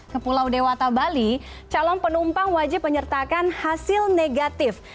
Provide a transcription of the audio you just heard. ke pulau dewata bali calon penumpang wajib menyertakan hasil negatif